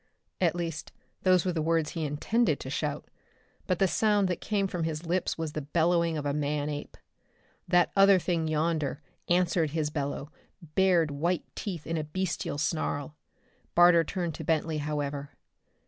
At least those were the words he intended to shout, but the sound that came from his lips was the bellowing of a man ape. That other thing yonder answered his bellow, bared white teeth in a bestial snarl. Barter turned to Bentley, however.